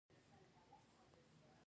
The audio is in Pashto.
ما د غوښې په ټوټه ځان پورې وتړه.